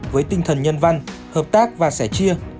với tinh thần nhân văn hợp tác và sẻ chia